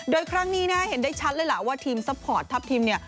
โดยครั้งนี้เห็นได้ชัดเลยว่าทีมซัพพอร์ตทัพทีม